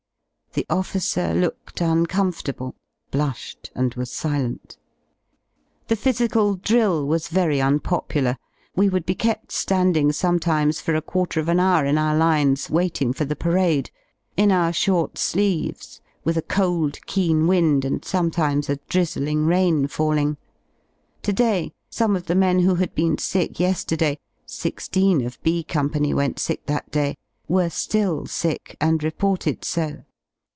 The officer looked uncomfortable, blushed, and was silent. The physical drill was very unpopular; we would be kept landing sometimes for a quarter of an hour in our lines waiting for the parade: in our short sleeves, with a cold keen wind and sometimes a drizzling rain falling. To day some of the men who had been sick ye^erday — sixteen of B Company went sick that day — were ^ill sick, and reported so.